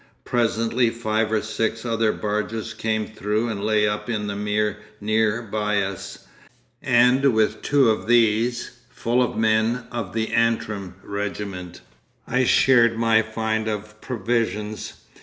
Presently five or six other barges came through and lay up in the mere near by us, and with two of these, full of men of the Antrim regiment, I shared my find of provisions.